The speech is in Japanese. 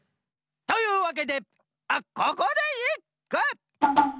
というわけでここでいっく！